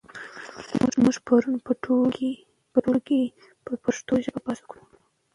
موږ پرون په ټولګي کې پر پښتو ژبه بحث وکړ.